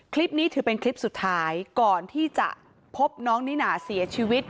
คลิปนี้ถือเป็นคลิปสุดท้ายก่อนที่จะพบน้องนิน่าเสียชีวิต